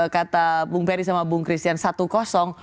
kata bung perry sama bung christian satu